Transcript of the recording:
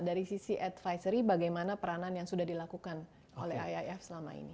dari sisi advisory bagaimana peranan yang sudah dilakukan oleh iif selama ini